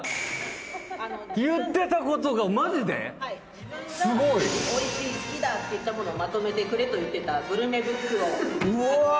言ってたことがマジで⁉自分がおいしい好きだって言った物をまとめてくれと言ってたグルメブックを作ってきました。